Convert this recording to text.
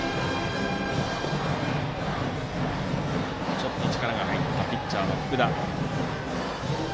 ちょっと力が入ったピッチャーの福田。